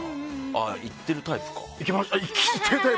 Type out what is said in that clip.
行ってるタイプか。